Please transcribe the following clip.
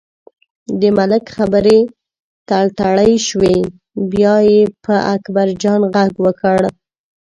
د ملک خبرې تړتړۍ شوې، بیا یې په اکبرجان غږ وکړ.